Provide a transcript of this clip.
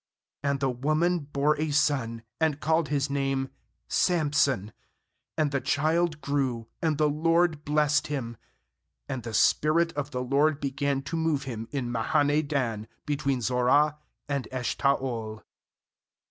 ^And the woman bore a son, and called his name Samson; and the child grew, and the LORD blessed him, 25And the spirit of the LORD began to move him in Mahaneh dan, between Zorah and Eshtaol.